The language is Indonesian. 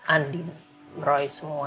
andi roy semua